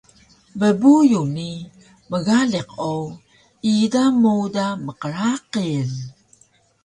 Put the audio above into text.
bbuyu ni mgaliq o ida mowda mqraqil